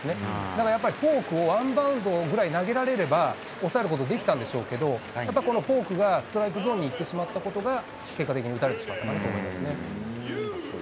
だから、やっぱりフォークをワンバウンドぐらい投げられれば、抑えることはできたんでしょうけど、やっぱこのフォークがストライクゾーンに行ってしまったことが、結果的に打たれてしまったかなと思いますね。